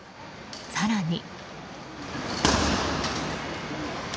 更に。